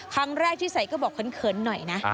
ครั้งแรกที่ใส่ก็บอกเขินหน่อยนะ